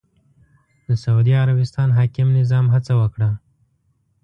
د سعودي عربستان حاکم نظام هڅه وکړه